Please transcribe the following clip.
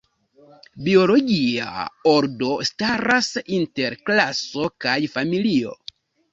Biologia ordo staras inter klaso kaj familio.